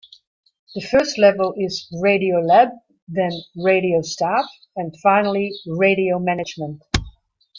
The first level is radio lab, then radio staff, and finally radio management.